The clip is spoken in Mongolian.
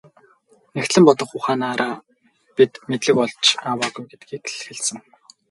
Нягтлан бодох ухаанаар бид мэдлэг олж аваагүй гэдгийг л хэлсэн.